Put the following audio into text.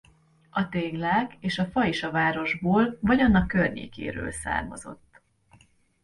A téglák és a fa is a városból vagy annak környékéről származott.